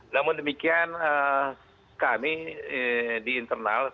namun demikian kami di internal